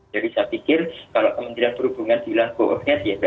jadi saya pikir kalau kementerian perhubungan bilang go ahead ya berarti go ahead